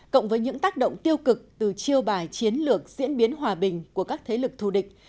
cộng với những tác động tiêu cực từ chiêu bài chiến lược diễn biến hòa bình của các thế lực thù địch